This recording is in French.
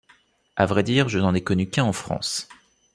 À vrai dire, je n'en ai connu qu'un en France.